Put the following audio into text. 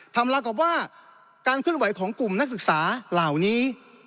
ทำลาวกับว่าการเคลื่อนไหวของกลุ่มนักศึกษาเหล่านี้